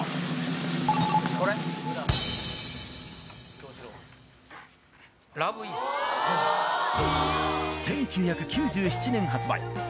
これ１９９７年発売